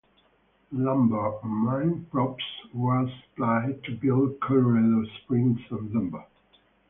Lumber and mine props were supplied to build Colorado Springs and Denver.